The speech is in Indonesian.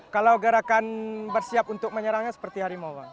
kalau gerakan bersiap untuk menyerangnya seperti harimau bang